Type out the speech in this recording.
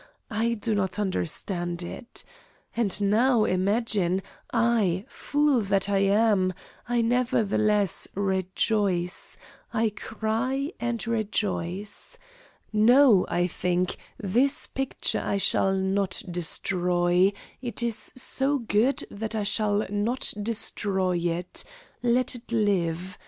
I do not understand it. And, now, imagine, I fool that I am I nevertheless rejoice, I cry and rejoice. No, I think, this picture I shall not destroy; it is so good that I shall not destroy it. Let it live.